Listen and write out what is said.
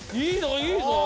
いいぞ！